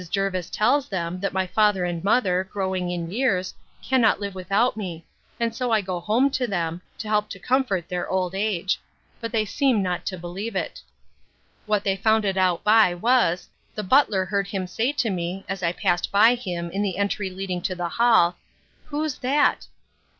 Jervis tells them, that my father and mother, growing in years, cannot live without me; and so I go home to them, to help to comfort their old age; but they seem not to believe it. What they found it out by was; the butler heard him say to me, as I passed by him, in the entry leading to the hall, Who's that?